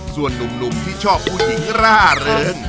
ส่วนนุ่มที่ชอบผู้หญิงร่าเริง